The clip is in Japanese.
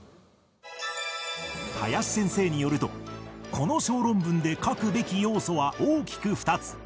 林先生によるとこの小論文で書くべき要素は大きく２つ